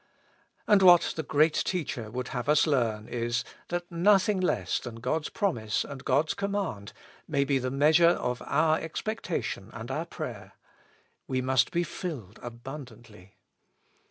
And what the great Teacher would have us learn is, that nothing less than God's promise and God's com mand may "be the measure of our expectation and our prayer ; we must be filled abundantly.